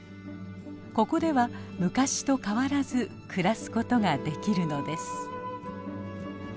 ここでは昔と変わらず暮らすことができるのです。